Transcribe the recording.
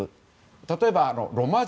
例えばロマ人。